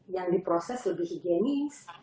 yang diproses lebih higienis